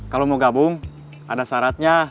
kalau mau gabung ada syaratnya